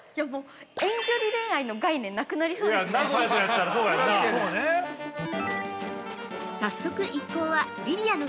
遠距離恋愛の概念なくなりそうですよね。